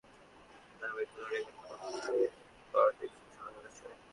Guinness world রেকর্ডসে নিজের নামে কোনো রেকর্ড গড়তে পারাটা ভীষণ সম্মানের বিষয়।